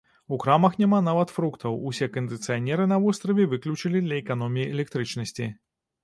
У крамах няма нават фруктаў, усе кандыцыянеры на востраве выключылі для эканоміі электрычнасці.